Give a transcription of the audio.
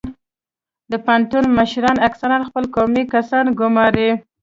د پوهنتون مشران اکثرا خپل قومي کسان ګماري